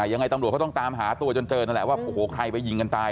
ยังไงตำรวจเขาต้องตามหาตัวจนเจอนั่นแหละว่าโอ้โหใครไปยิงกันตาย